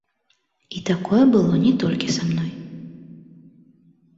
І такое было не толькі са мной.